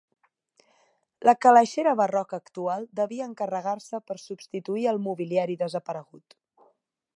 La calaixera barroca actual devia encarregar-se per substituir el mobiliari desaparegut.